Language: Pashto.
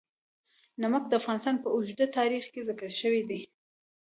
نمک د افغانستان په اوږده تاریخ کې ذکر شوی دی.